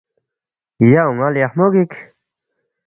یا اون٘ا لیخمو گِک